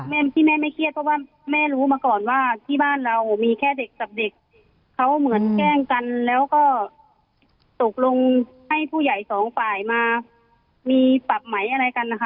แม่ที่แม่ไม่เครียดเพราะว่าแม่รู้มาก่อนว่าที่บ้านเรามีแค่เด็กกับเด็กเขาเหมือนแกล้งกันแล้วก็ตกลงให้ผู้ใหญ่สองฝ่ายมามีปรับไหมอะไรกันนะคะ